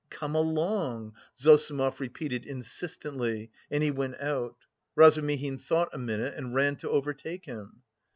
"Come along," Zossimov repeated insistently, and he went out. Razumihin thought a minute and ran to overtake him.